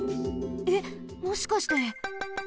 えっもしかして。